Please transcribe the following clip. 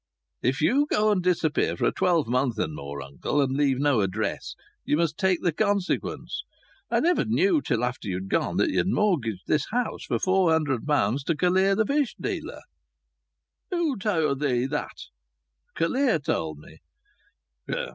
"If you go and disappear for a twelvemonth and more, uncle, and leave no address, you must take the consequence. I never knew till after you'd gone that you'd mortgaged this house for four hundred pounds to Callear, the fish dealer." "Who towd thee that?" "Callear told me."